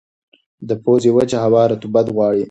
د پوزې وچه هوا رطوبت غواړي.